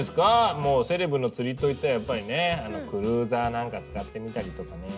もうセレブの釣りといったらやっぱりねクルーザーなんか使ってみたりとかね。